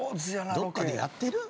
どっかでやってる？